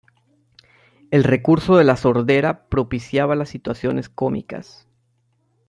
El recurso de la sordera propiciaba las situaciones cómicas.